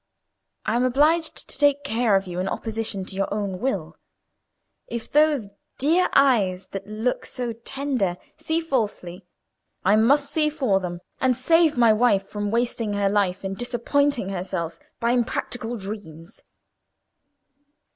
I am obliged to take care of you in opposition to your own will: if those dear eyes, that look so tender, see falsely, I must see for them, and save my wife from wasting her life in disappointing herself by impracticable dreams."